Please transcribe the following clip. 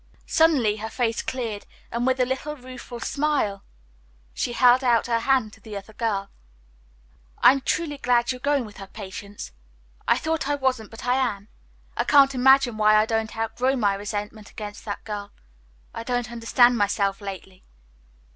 Suddenly her face cleared, and with a little, rueful smile she held out her hand to the other girl. "I'm truly glad you are going with her, Patience. I thought I wasn't, but I am. I can't imagine why I don't outgrow my resentment against that girl. I don't understand myself lately."